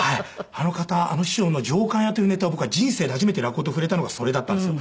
あの方あの師匠の『上燗屋』というネタを僕は人生で初めて落語と触れたのがそれだったんですよ。